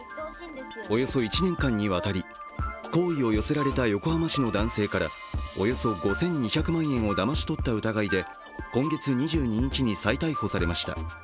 およそ１年間にわたり、好意を寄せられた横浜市の男性からおよそ５２００万円をだまし取った疑いで今月２２日に再逮捕されました。